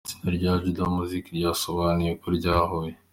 Itsinda rya Juda Muzik ryasobanuye uko ryahuye.